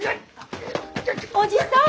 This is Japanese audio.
おじさん！